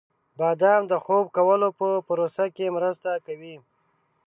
• بادام د خوب کولو په پروسه کې مرسته کوي.